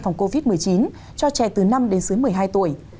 phòng covid một mươi chín cho trẻ từ năm đến dưới một mươi hai tuổi